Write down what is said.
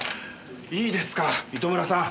いいですか糸村さん。